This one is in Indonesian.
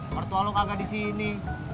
mertua lo kagak di sini